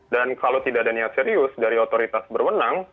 dan kalau tidak ada niat serius dari otoritas berwenang